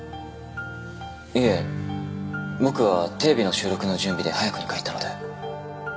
いえ僕はテレビの収録の準備で早くに帰ったので。